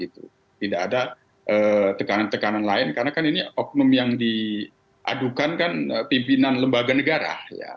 tidak ada tekanan tekanan lain karena kan ini oknum yang diadukan kan pimpinan lembaga negara